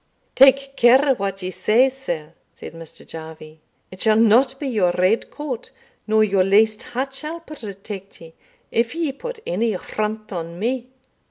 "Take care what you say, sir," said Mr. Jarvie; "it shall not be your red coat nor your laced hat shall protect you, if you put any affront on me.